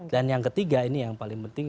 dan yang ketiga ini yang paling penting